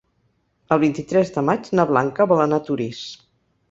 El vint-i-tres de maig na Blanca vol anar a Torís.